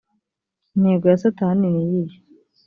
intego ya satani ni iyihe